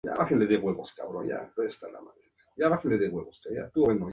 La ciudad es la 'la cuna de la extracción de carbón en Queensland'.